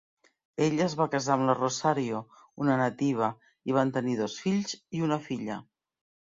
Ell es va casar amb la Rosario, una nativa, i van tenir dos fills i una filla.